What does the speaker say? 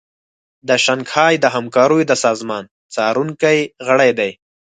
د شانګهای د همکاریو د سازمان څارونکی غړی دی